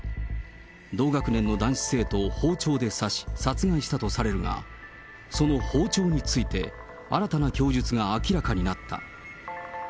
同学年の男子生徒を包丁で刺し、殺害したとされるが、その包丁について、新たな供述が明らかになった。